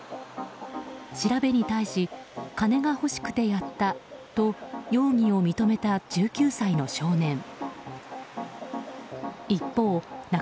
調べに対し金が欲しくてやったと容疑を認めた１９歳の少年。